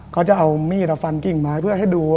เขาจะเอามีดฟันกิ่งไม้เพื่อให้ดู